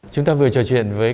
chúng ta vừa trò chuyện với